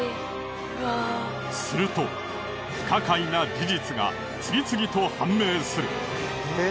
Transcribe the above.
すると不可解な事実が次々と判明する。